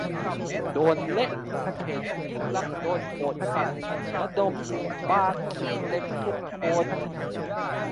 โดนเละ เพจทักษิณโดนโหดสัสระดมปาขี้เต็มทุกโพสต์